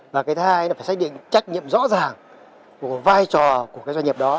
và cái thứ hai là phải xác định trách nhiệm rõ ràng của vai trò của cái doanh nghiệp đó